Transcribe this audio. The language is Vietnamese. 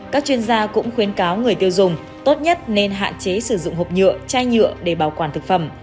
các chuyên gia cũng khuyến cáo người tiêu dùng tốt nhất nên hạn chế sử dụng hộp nhựa chai nhựa để bảo quản thực phẩm